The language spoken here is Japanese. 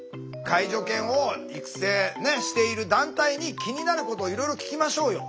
介助犬を育成している団体に気になることをいろいろ聞きましょうよ。